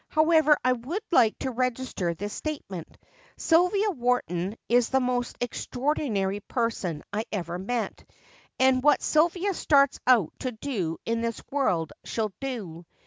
However, I would like to register this statement Sylvia Wharton is the most extraordinary person I ever met. And what Sylvia starts out to do in this world she'll do.